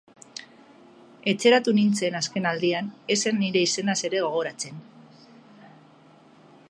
Etxeratu nintzen azken aldian, ez zen nire izenaz ere gogoratzen...